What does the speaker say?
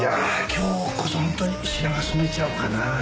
今日こそ本当に白髪染めちゃおうかな。